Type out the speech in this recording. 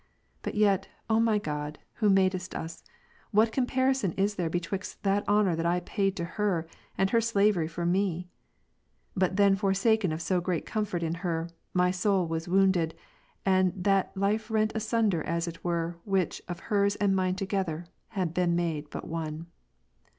But yet, O my God, Who madest us, what comparison is there betwixt that honour that I paid to her, and her slavery for me ? Being then for saken of so great comfort in her, my soul was wounded, and that life rent asunder as it were, which, of hers and mine together, had been made but one.